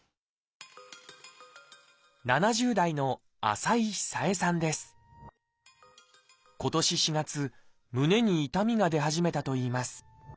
７０代の今年４月胸に痛みが出始めたといいます